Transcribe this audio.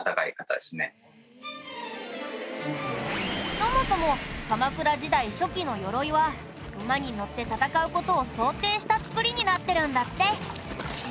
そもそも鎌倉時代初期の鎧は馬に乗って戦う事を想定した作りになってるんだって。